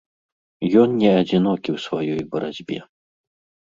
Ён не адзінокі ў сваёй барацьбе.